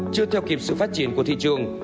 chưa theo kịp sự phát triển của thị trường